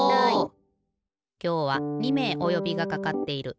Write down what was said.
きょうは２めいおよびがかかっている。